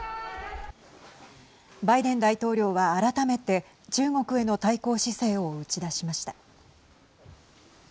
バイデン大統領は、改めて中国への対抗姿勢を打ち出しました。